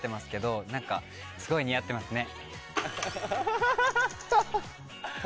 すごい似合ってますね。